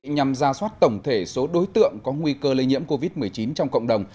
nhằm ra soát tổng thể số đối tượng có nguy cơ lây nhiễm covid một mươi chín trong cộng đồng